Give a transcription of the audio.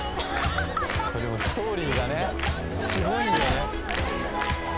でもストーリーがねスゴいんだよね・